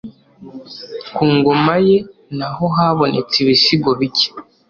ku ngoma ye naho habonetse ibisigo bike